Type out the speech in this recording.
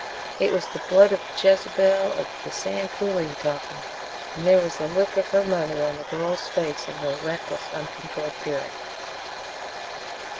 It was the blood of Jezebel of the Sand Coulee talking, and there was the look of her mother on the girl's face, in her reckless, uncontrolled fury.